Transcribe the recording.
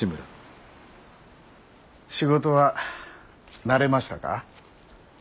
仕事は慣れましたか。